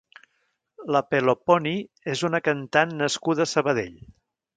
La Pelopony és una cantant nascuda a Sabadell.